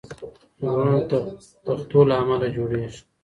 غرونه د تختو له امله جوړېږي.